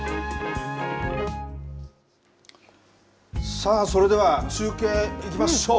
さあそれでは中継、いきましょう。